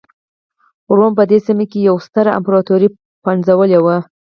روم په دې سیمه کې یوه ستره امپراتوري پنځولې وه.